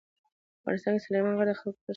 افغانستان کې سلیمان غر د خلکو د خوښې وړ ځای دی.